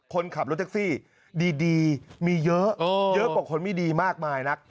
คนขับรถแท็กซี่ดีมีเยอะเยอะกว่าคนไม่ดีมากมายนัก